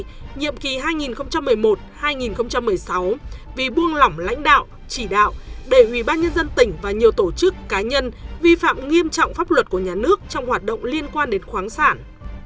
từ tháng sáu năm hai nghìn một mươi sáu đến tháng năm năm hai nghìn hai mươi ba ông là ủy viên trung mương đảng khóa một mươi ba nhiệm kỳ hai nghìn một mươi sáu vì buông lỏng lãnh đạo chỉ đạo để ubnd tỉnh và nhiều tổ chức cá nhân vi phạm nghiêm trọng pháp luật của nhà nước trong hoạt động liên quan đến khoáng sản